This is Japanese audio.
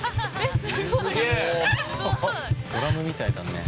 すげえ！ドラムみたいだね。